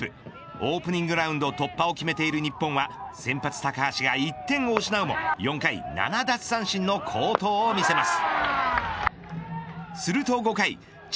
オープニングラウンド突破を決めている日本は先発高橋が１点を失うも４回７奪三振の好投を見せます。